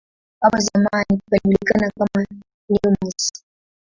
Hapo zamani palijulikana kama "Nemours".